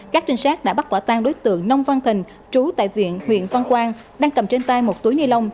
các trinh sát đã bắt quả tan đối tượng nông văn thình trú tại viện huyện quang quang đang cầm trên tay một túi ni lông